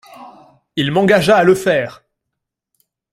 Il m’engagea à le faire!